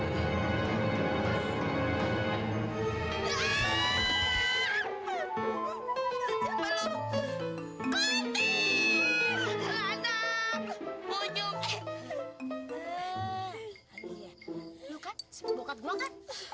lihat lu kan si pebokat gue kan